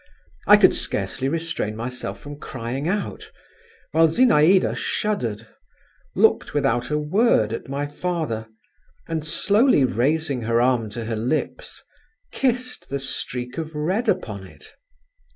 I could scarcely restrain myself from crying out; while Zinaïda shuddered, looked without a word at my father, and slowly raising her arm to her lips, kissed the streak of red upon it.